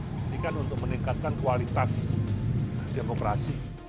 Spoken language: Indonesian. ini kan untuk meningkatkan kualitas demokrasi